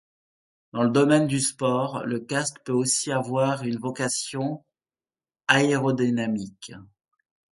Dans le domaine du sport le casque peut aussi avoir une vocation aérodynamique.